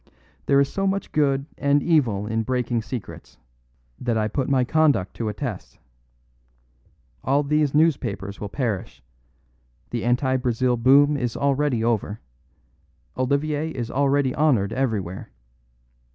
There is so much good and evil in breaking secrets, that I put my conduct to a test. All these newspapers will perish; the anti Brazil boom is already over; Olivier is already honoured everywhere.